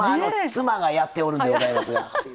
妻がやっておるんでありますが。